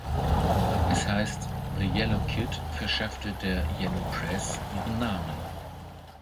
Es heißt, "The Yellow Kid" verschaffte der Yellow Press ihren Namen.